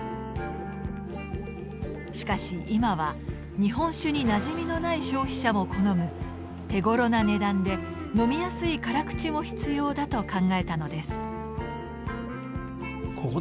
しかし今は日本酒になじみのない消費者も好む手ごろな値段で飲みやすい辛口も必要だと考えたのです。